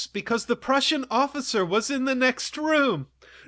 "Because the Prussian was in the next room!"